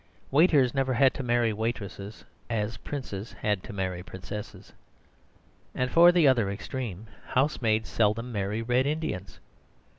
Waiters never had to marry waitresses, as princes had to marry princesses. And (for the other extreme) housemaids seldom marry Red Indians.